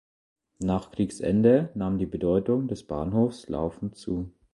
Nach Kriegsende nahm die Bedeutung des Bahnhofs laufend zu.